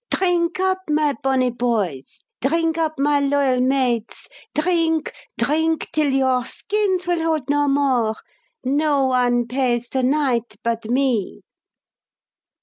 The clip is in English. "Drink up, my bonny boys; drink up, my loyal maids. Drink drink till your skins will hold no more. No one pays to night but me!"